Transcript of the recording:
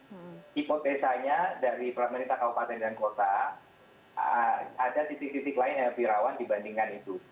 hipotesanya dari pemerintah kabupaten dan kota ada titik titik lain yang lebih rawan dibandingkan itu